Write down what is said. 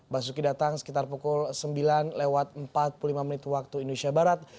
basuki datang sekitar pukul sembilan lewat empat puluh lima menit waktu indonesia barat